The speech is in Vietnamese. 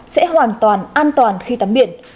sẽ hoàn toàn an toàn khi tắm biển